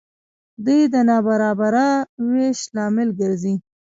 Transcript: دوی د نابرابره وېش لامل ګرځي.